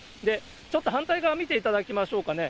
ちょっと反対側見ていただきましょうかね。